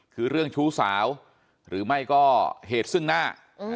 คือเรื่องชู้สาวหรือไม่ก็เหตุซึ่งหน้า